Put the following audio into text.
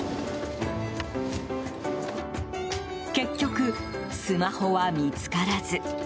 結局、スマホは見つからず。